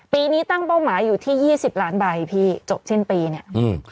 ปีนี้ตั้งเป้าหมายอยู่ที่๒๐ล้านใบพี่จบเช่นปีเนี่ย